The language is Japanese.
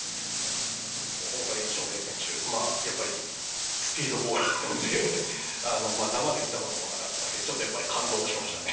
大谷翔平選手、やっぱりスピードボーラーなので、生で見たことなかったんで、ちょっとやっぱり感動しましたね。